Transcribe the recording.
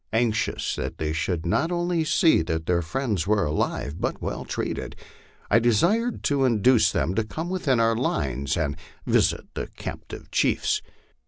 Anxious that they should not only see that their friends were alive, but well treated, I desired to induce them to come within our lines and visit the captive chiefs.